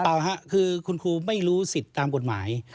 เปล่าครับคือคุณครูไม่รู้สิทธิ์ตามกฎหมาย